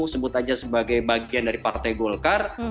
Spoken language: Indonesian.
sebut aja sebagai bagian dari partai golkar